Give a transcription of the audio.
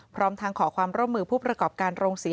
พร้อมทางขอความร่วมมือผู้ประกอบการโรงศรี